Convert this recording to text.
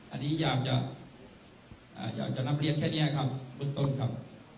อันนี้อยากจะอยากจะนับเลี้ยงแค่เนี้ยครับคุณตนครับ